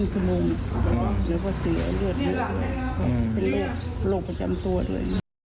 เป็นเลขโรคประจำตัวด้วย